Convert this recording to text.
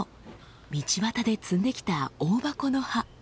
道端で摘んできたオオバコの葉。